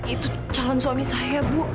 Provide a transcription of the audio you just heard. itu calon suami saya bu